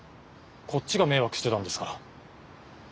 こっちが迷惑してたんですから。